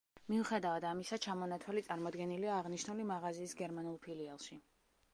მიუხედავად ამისა, ჩამონათვალი წარმოდგენილია აღნიშნული მაღაზიის გერმანულ ფილიალში.